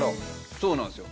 そうなんですよ。